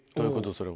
それは。